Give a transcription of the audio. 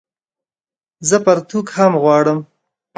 زه پرتوګ هم غواړم